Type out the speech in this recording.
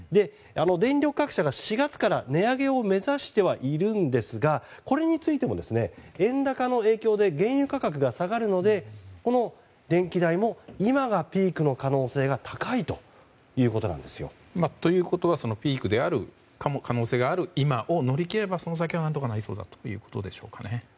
電力各社が４月から値上げを目指してはいますがこれについても、円高の影響で原油価格が下がるので電気代も今がピークの可能性が高いということなんですよ。ということはピークである可能性がある今を乗り切れば、その先は何とかなりそうだということでしょうかね。